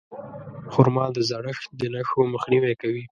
خرما د زړښت د نښو مخنیوی کوي.